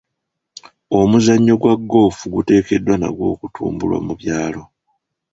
Omuzannyo gwa ggoofu guteekeddwa nagwo okutumbulwa mu byalo.